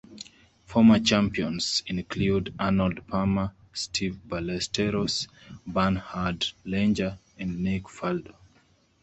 Former champions include Arnold Palmer, Seve Ballesteros, Bernhard Langer, and Nick Faldo.